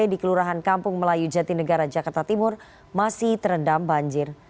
di kelurahan kampung melayu jatinegara jakarta timur masih terendam banjir